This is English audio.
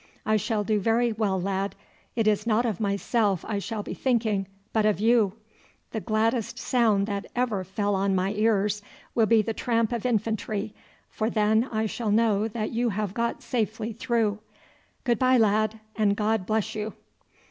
"I shall do very well, lad. It is not of myself I shall be thinking, but of you. The gladdest sound that ever fell on my ears will be the tramp of infantry, for then I shall know that you have got safely through. Good bye, lad, and God bless you!"